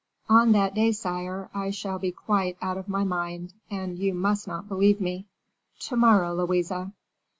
"On that day, sire, I shall be quite out of my mind, and you must not believe me." "To morrow, Louise."